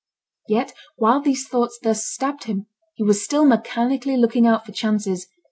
Yet while these thoughts thus stabbed him, he was still mechanically looking out for chances.